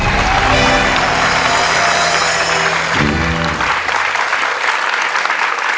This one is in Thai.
สู้ค่ะ